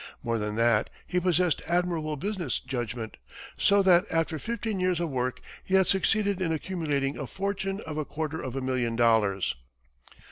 More than that, he possessed admirable business judgment, so that, after fifteen years of work, he had succeeded in accumulating a fortune of a quarter of a million dollars.